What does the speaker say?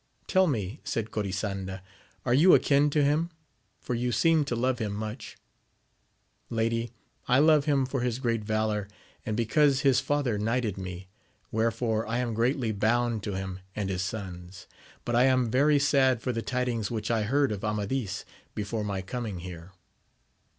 Tell me, said Corisanda, are you akin to him, for you seem to love him much ?— Lady, I love him for his great valour, and because his father knighted me, wherefore I am greatly bound to him and his sons ; but I am very sad for the tidings which I heard of Amadis before my coming here.